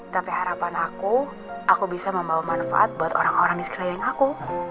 tapi harapan aku aku bisa membawa manfaat buat orang orang di sekeliling aku